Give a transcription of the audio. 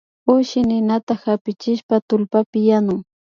Ushi ninata hapichishpa tullpapi yanuy